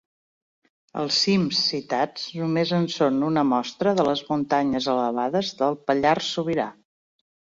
Els cims citats només en són una mostra, de les muntanyes elevades del Pallars Sobirà.